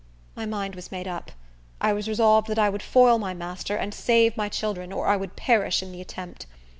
My mind was made up; I was resolved that I would foil my master and save my children, or I would perish in the attempt.